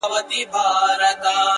ما به د سترگو کټوري کي نه ساتلې اوبه _